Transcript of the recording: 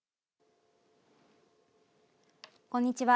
こんにちは。